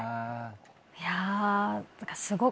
いや。